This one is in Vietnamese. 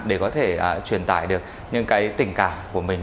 để có thể truyền tải được những cái tình cảm của mình